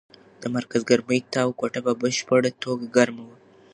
د مرکز ګرمۍ تاو کوټه په بشپړه توګه ګرمه کړه.